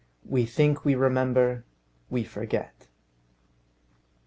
WE THINK WE REMEMBER; WE FORGET.